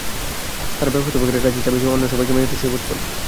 তারা ব্যবস্থাপকের কাছে চাবি চেয়ে অন্য সবাইকে মেঝেতে শুয়ে পড়তে বলে।